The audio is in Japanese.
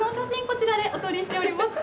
こちらでお撮りしております。